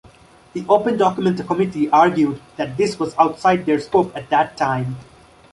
The OpenDocument committee argued that this was outside their scope at that time.